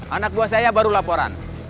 anak buah saya baru laporan